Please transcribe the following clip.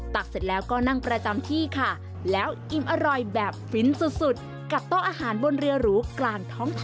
เสร็จแล้วก็นั่งประจำที่ค่ะแล้วอิ่มอร่อยแบบฟินสุดกับโต๊ะอาหารบนเรือหรูกลางท้องถนน